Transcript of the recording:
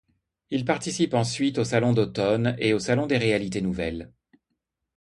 Il participe ensuite au Salon d'automne et au Salon des réalités nouvelles.